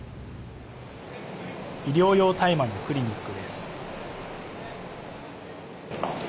医療用大麻のクリニックです。